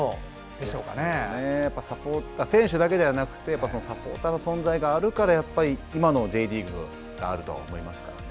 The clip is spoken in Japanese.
ですね、選手だけではなくサポーターの存在があるからこそやっぱり今のＪリーグがあると思いますね。